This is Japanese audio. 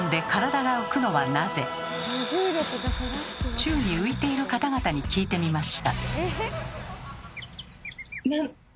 宙に浮いている方々に聞いてみました。